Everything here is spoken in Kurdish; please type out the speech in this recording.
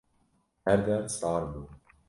her der sar bû.